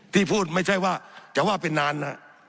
ที่พูดไม่ใช่ว่าจะว่าเป็นนานนะ